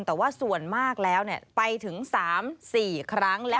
แต่ว่าส่วนมากแล้วไปถึง๓๔ครั้ง